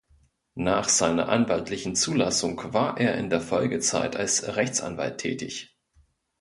Nach seiner anwaltlichen Zulassung war er in der Folgezeit als Rechtsanwalt tätig.